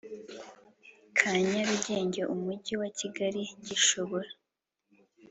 Ka nyarugenge umujyi wa kigali gishobora